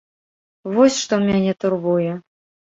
Вось што мяне турбуе.